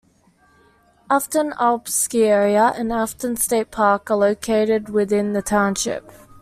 Afton Alps Ski Area and Afton State Park are located within the township.